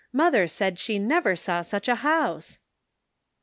Mother said she never saw such a house."